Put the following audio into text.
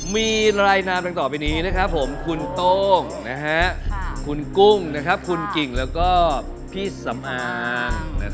มีรายนามดังต่อไปนี้นะครับผมคุณโต้งคุณกุ้งคุณกิ่งแล้วก็พี่สำอาง